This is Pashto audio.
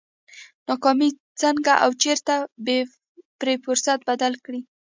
ناکامي څنګه او چېرې پر فرصت بدله کړي؟